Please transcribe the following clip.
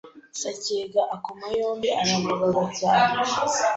Sacyega akoma yombi araboroga cyane